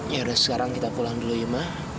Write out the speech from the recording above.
yaudah sekarang kita pulang dulu ya ma